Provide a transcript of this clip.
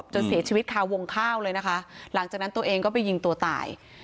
จนเสียชีวิตคาวงข้าวเลยนะคะหลังจากนั้นตัวเองก็ไปยิงตัวตาย